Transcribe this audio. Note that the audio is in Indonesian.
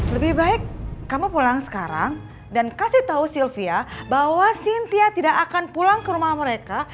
lebih baik kamu pulang sekarang dan kasih tahu sylvia bahwa cynthia tidak akan pulang ke rumah mereka